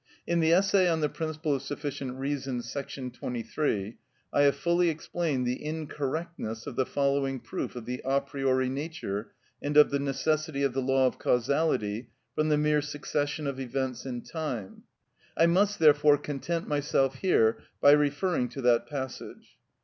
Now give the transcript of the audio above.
In the essay on the principle of sufficient reason, § 23, I have fully explained the incorrectness of the following proof of the a priori nature and of the necessity of the law of causality from the mere succession of events in time; I must, therefore, content myself here by referring to that passage.